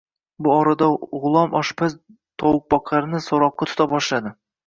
Bu orada G‘ulom oshpaz tovuqboqarni so‘roqqa tuta boshladi: